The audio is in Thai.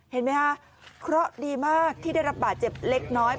เห็นไหมคะเคราะห์ดีมากที่ได้รับบาดเจ็บเล็กน้อย